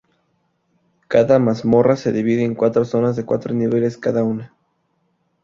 Cada mazmorra se divide en cuatro zonas de cuatro niveles cada una.